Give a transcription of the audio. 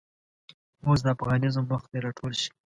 اوس دافغانیزم وخت دی راټول شئ